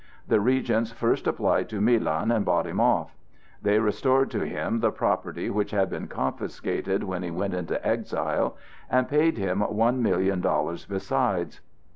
The regents first applied to Milan, and bought him off. They restored to him the property which had been confiscated when he went into exile, and paid him one million dollars besides.